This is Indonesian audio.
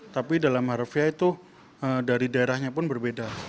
tapi dalam harfiah itu dari daerahnya pun berbeda